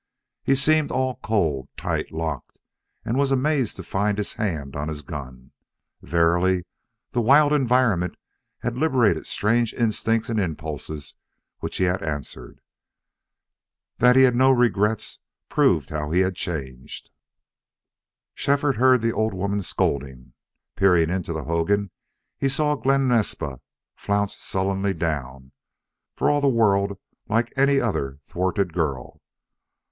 He seemed all cold, tight, locked, and was amazed to find his hand on his gun. Verily the wild environment had liberated strange instincts and impulses, which he had answered. That he had no regrets proved how he had changed. Shefford heard the old woman scolding. Peering into the hogan, he saw Glen Naspa flounce sullenly down, for all the world like any other thwarted girl.